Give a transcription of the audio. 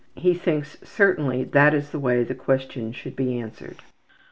He thinks certainly this is the way the question should be answered.